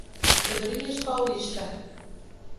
Pedrinhas Paulista